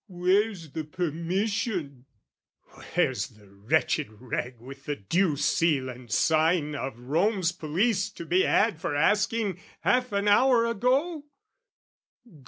"Where's the Permission?" Where's the wretched rag With the due seal and sign of Rome's Police, To be had for asking, half an hour ago?